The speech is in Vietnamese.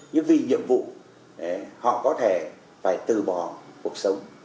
nhưng vì nhiệm vụ họ có thể phải từ bỏ cuộc sống